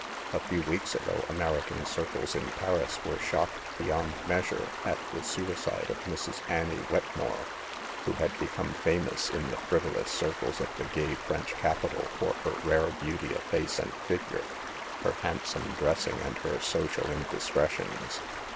A few weeks ago American circles in Paris were shocked beyond measure at the suicide of Mrs. Annie Wetmore, who had be come famous in the frivolous circles of the gay French capital for her rare beauty of face and figure, her handsome dressing and her social M 178 SATE THE GIRLS. indiscretions.